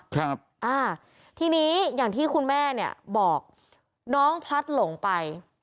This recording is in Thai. ครับอ่าทีนี้อย่างที่คุณแม่เนี่ยบอกน้องพลัดหลงไป